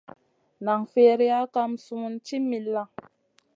Nan firiya kam sumun ci milla.